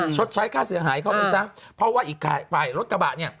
ชดใช้ค่าเสียหายเข้าไปซะเพราะว่าอีกฝ่ายรถกระบะเนี่ย